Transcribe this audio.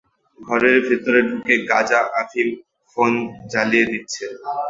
ঘরের ভেতর ঢুকে গাঁজা, আফিম, ফোন জ্বালিয়ে দিচ্ছে।